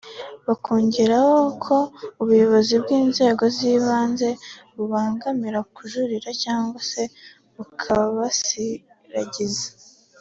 bakongeraho ko ubuyobozi bw’inzego z’ibanze bubangira kujurira cyangwa se bukabasiragiza